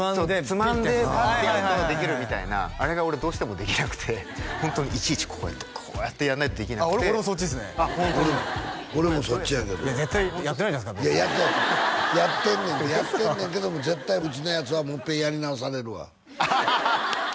つまんでパッてやるとできるみたいなあれが俺どうしてもできなくてホントにいちいちこうやってこうやってやんないとできなくて俺もそっちっすねあっホントっすか俺もそっちやけど絶対やってないじゃないですかいややってるやってんねんやってんねんけども絶対うちのやつはもう一遍やり直されるわハハハハッ！